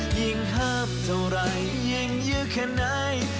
ยิ่งหับเท่าไหร่ยิ่งยื้อแค่ไหน